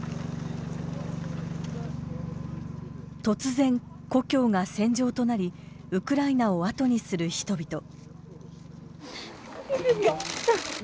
突然、故郷が戦場となりウクライナをあとにする人々。